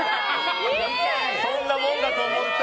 そんなもんだと思った！